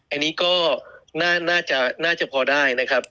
อันนี้ก็น่าจะพอได้นะครับ